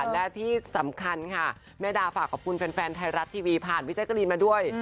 และที่สำคัญค่ะแม่ดาฝากขอบคุณแฟนไทยรัฐทีวีผ่านพี่แจ๊กกะลีนมาด้วย